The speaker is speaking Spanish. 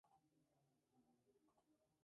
Es aficionado al ajedrez y al tenis.